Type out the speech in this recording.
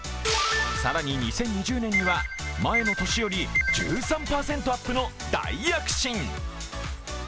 更に、２０２０年には前の年より１３％アップの大躍進。